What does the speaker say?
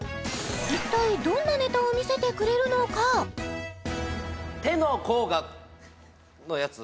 一体どんなネタを見せてくれるのか手の甲のやつ